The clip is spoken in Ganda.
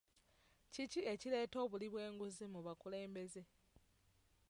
Kiki ekireeta obuli bw'enguzi mu bakulembeze?